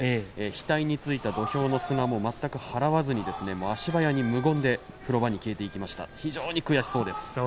額についた土俵の砂も全く払わずに足早に無言で風呂場に消えていきました。